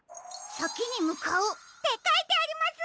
「さきにむかう」ってかいてあります！